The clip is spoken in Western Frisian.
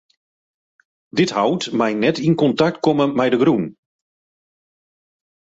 Dit hout mei net yn kontakt komme mei de grûn.